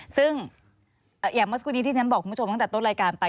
ซึ่งอย่างเมื่อสักครู่นี้ที่ฉันบอกคุณผู้ชมตั้งแต่ต้นรายการไป